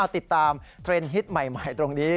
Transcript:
ติดตามเทรนด์ฮิตใหม่ตรงนี้